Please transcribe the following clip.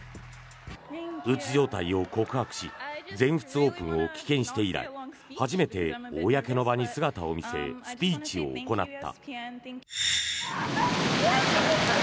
うつ状態を告白し全仏オープンを棄権して以来初めて公の場に姿を見せスピーチを行った。